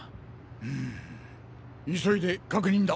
ん急いで確認だ！